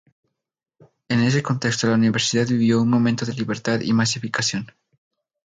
En ese contexto la universidad vivió un momento de libertad y masificación.